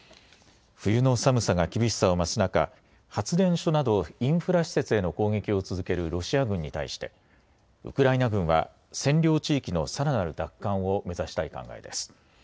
冬の寒さが厳しさを増す中、発電所などインフラ施設への攻撃を続けるロシア軍に対してウクライナ軍は占領地域のさらなる奪還を目指したい考えです。